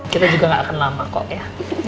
kita juga gak akan lama kok ya